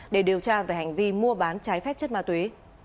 để điều tra về hành vi mua bán trái phép chất ma túy